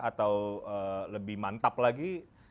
atau lebih mantap lagi